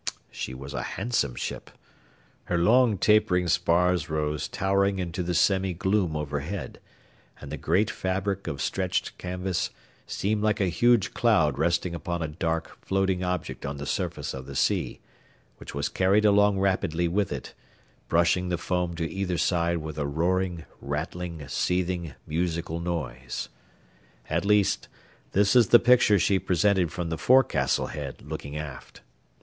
She was a handsome ship. Her long, tapering spars rose towering into the semi gloom overhead, and the great fabric of stretched canvas seemed like a huge cloud resting upon a dark, floating object on the surface of the sea, which was carried along rapidly with it, brushing the foam to either side with a roaring, rattling, seething, musical noise. At least, this is the picture she presented from the forecastle head looking aft.